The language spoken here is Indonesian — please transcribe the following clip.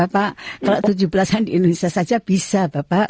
pak kalau tujuh belas an di indonesia saja bisa bapak